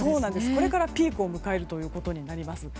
これからピークを迎えることになります。